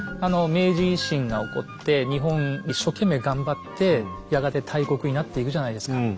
明治維新が起こって日本一生懸命頑張ってやがて大国になっていくじゃないですか。